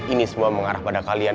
ini semua mengarah pada kalian